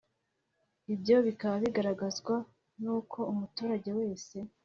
Ibyo bikaba bigaragazwa n uko umuturage wese